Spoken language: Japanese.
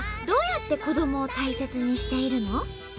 どうやって子どもを大切にしているの？